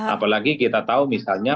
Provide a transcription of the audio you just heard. apalagi kita tahu misalnya